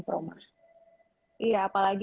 peromah iya apalagi